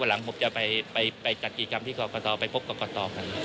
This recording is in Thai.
วันหลังผมจะไปจัดกิจกรรมที่กอกกะตอไปพบกอกกะตอกัน